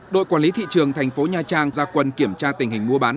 đội quản lý thị trường thành phố nha trang ra quân kiểm tra tình hình mua bán